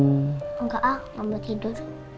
enggak al mau tidur